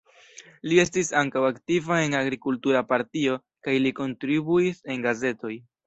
Li estis ankaŭ aktiva en agrikultura partio kaj li kontribuis en gazetoj.